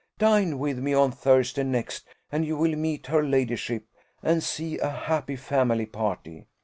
Dine with me on Thursday next, and you will meet her ladyship, and see a happy family party.